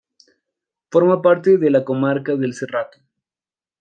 Forma parte de la comarca del Cerrato.